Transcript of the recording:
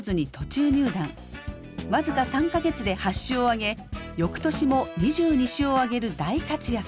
僅か３か月で８勝を挙げ翌年も２２勝を挙げる大活躍。